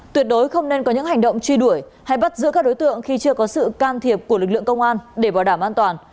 tuyệt đối không nên có những hành động truy đuổi hay bắt giữ các đối tượng khi chưa có sự can thiệp của lực lượng công an để bảo đảm an toàn